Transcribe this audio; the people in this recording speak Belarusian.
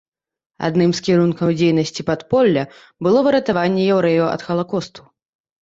Адным з кірункаў дзейнасці падполля было выратаванне яўрэяў ад халакосту.